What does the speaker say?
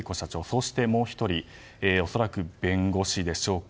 そしてもう１人恐らく弁護士でしょうか。